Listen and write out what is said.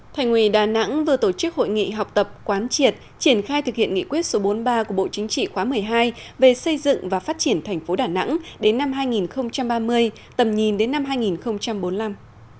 thành quỳ đà nẵng vừa tổ chức hội nghị học tập quán triệt triển khai thực hiện nghị quyết số bốn mươi ba của bộ chính trị khóa một mươi hai về xây dựng và phát triển thành phố đà nẵng đến năm hai nghìn ba mươi tầm nhìn đến năm hai nghìn bốn mươi năm